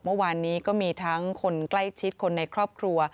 เมื่อวานนี้ก็มีทั้งคนใกล้ชิดคนในครอบครัว